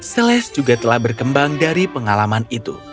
seles juga telah berkembang dari pengalaman itu